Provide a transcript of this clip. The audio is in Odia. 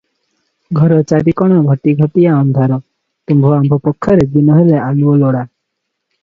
ଘର ଚାରିକଣ ଘିଟିଘିଟିଆ ଅନ୍ଧାର, ତୁମ୍ଭ ଆମ୍ଭ ପକ୍ଷରେ ଦିନହେଳେ ଆଲୁଅ ଲୋଡ଼ା ।